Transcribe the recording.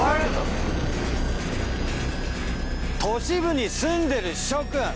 都市部に住んでる諸君。